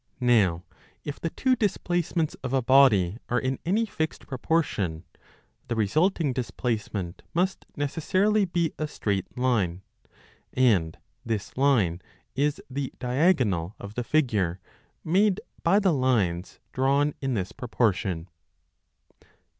Now if the two displacements of a body arc in any fixed proportion, the resulting displacement must necessarily be a straight line, and this 1 line is the diagonal of the figure, made by the lines drawn in this proportion.